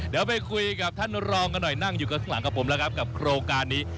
เดี๋ยวไปคุยกับท่านรองกันหน่อยนั่งอยู่กันข้างหลังกับผมแล้วครับกับโครงการนี้